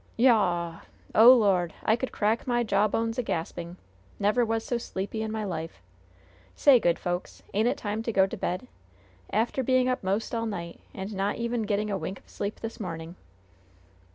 "Yaw! Oh, Lord! I could crack my jawbones a gasping! Never was so sleepy in my life! Say, good folks, ain't it time to go to bed? After being up most all night, and not even getting a wink of sleep this morning."